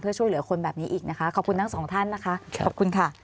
เพื่อช่วยเหลือคนแบบนี้อีกนะคะขอบคุณทั้งสองท่านนะคะขอบคุณค่ะ